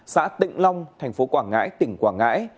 xã tịnh long thành phố quảng ngãi tỉnh quảng ngãi